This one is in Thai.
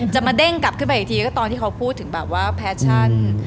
จะมาเด้งกลับขึ้นไปอีกทีก็ตอนที่เขาพูดพัชั่น